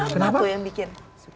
kenapa tuh yang bikin